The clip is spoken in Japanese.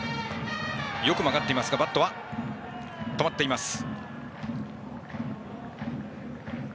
よく曲がっていますがバットは止まっていました。